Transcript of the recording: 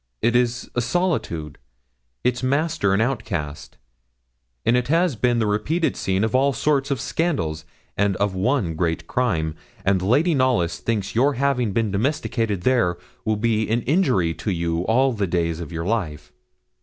It is a solitude its master an outcast, and it has been the repeated scene of all sorts of scandals, and of one great crime; and Lady Knollys thinks your having been domesticated there will be an injury to you all the days of your life.'